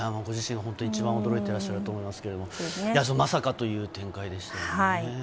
ご自身が一番驚いていらっしゃると思いますけども、まさかという展開でしたよね。